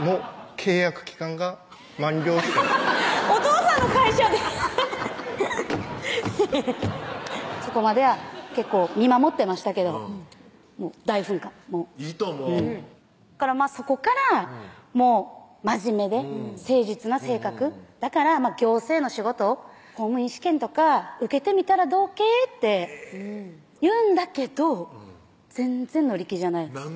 契約期間が満了してお父さんの会社でそこまでは結構見守ってましたけどもう大噴火いいと思うそこからもう真面目で誠実な性格だから「行政の仕事公務員試験とか受けてみたらどうけ？」って言うんだけど全然乗り気じゃないな